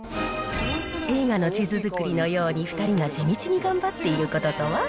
映画の地図作りのように２人が地道に頑張っていることとは？